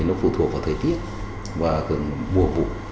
nó phụ thuộc vào thời tiết và mùa vụ